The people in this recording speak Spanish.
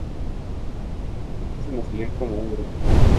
Los cuatro comienzan a salir como un grupo.